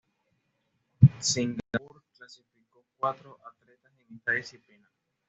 Singapur clasificó cuatro atletas en esta disciplina.